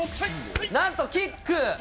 なんとキック。